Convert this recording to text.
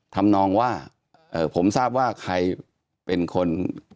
ทำนองว่าผมทราบว่าใครเป็นคน